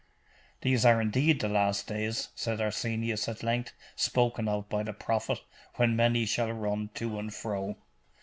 'These are indeed the last days,' said Arsenius at length, 'spoken of by the prophet, when many shall run to and fro.